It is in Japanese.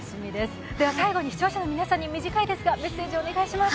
最後に視聴者の皆さんに、短いですが、メッセージをお願いします。